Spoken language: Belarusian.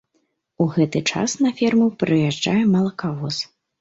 У гэты час на ферму прыязджае малакавоз.